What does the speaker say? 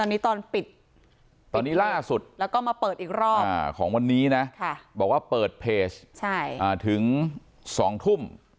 ตอนนี้ตอนปิดตอนนี้ล่าสุดแล้วก็มาเปิดอีกรอบของวันนี้นะบอกว่าเปิดเพจถึง๒ทุ่ม